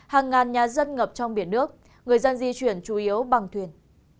hàng ngàn nhà dân ngập trong biển nước người dân di chuyển chủ yếu bằng thuyền